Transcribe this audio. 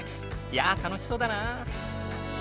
いやあ楽しそうだな！